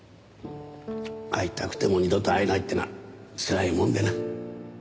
会いたくても二度と会えないっていうのはつらいもんでな。